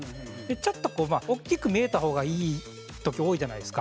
ちょっと、大きく見えた方がいい時、多いじゃないですか。